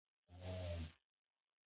مطالعه مو ژوند بدلوي.